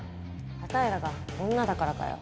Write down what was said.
あたいらが女だからかよ？